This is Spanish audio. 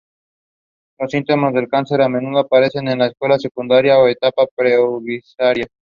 Los síntomas del cáncer a menudo aparecen en la escuela secundaria o etapa preuniversitaria.